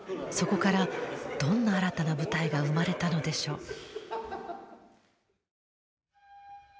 そこからどんな新たな舞台が生まれたのでしょう？